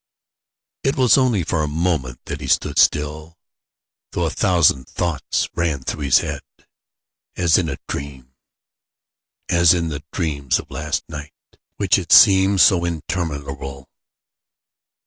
It was only for a moment that he stood still, though a thousand thoughts ran through his head, as in a dream as in the dreams of last night, which had seemed so interminable.